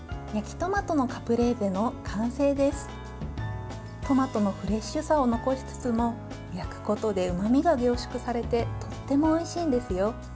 トマトのフレッシュさを残しつつも焼くことで、うまみが凝縮されてとってもおいしいんですよ。